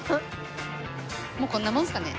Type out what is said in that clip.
もうこんなもんっすかね？